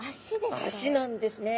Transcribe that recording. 足なんですねえ。